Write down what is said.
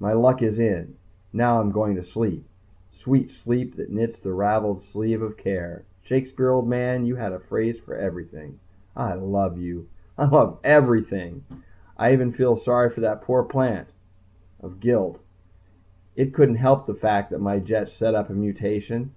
My luck is in. Now I'm going to sleep sweet sleep that knits the ravelled sleeve of care Shakespeare, old man, you had a phrase for everything! I love you. I love everything. I even feel sorry for that poor plant ... of guilt. It couldn't help the fact that my jets set up a mutation.